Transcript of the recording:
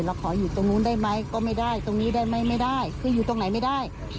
เราขออยู่ตรงนู้นได้ไหมก็ไม่ได้ตรงนี้ได้ไหมไม่ได้คืออยู่ตรงไหนไม่ได้